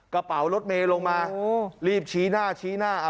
กระเป๋ารถเมย์ลงมารีบชี้หน้าชี้หน้าเอา